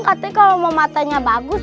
katanya kalau mau matanya bagus